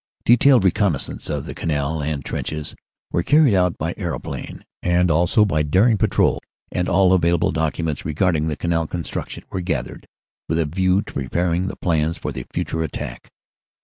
"Detailed reconnaissance of the Canal and trenches were carried out by aeroplane, and also by daring patrols, and all available documents regarding the Canal construction were gathered with a view to preparing the plans for the future attack.